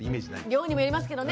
量にもよりますけどね。